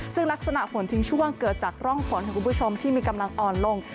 ซึ่งลักษณะฝนทิ้งช่วงเกิดจากร่องฝนค่ะคุณผู้ชมที่มีกำลังอ่อนลง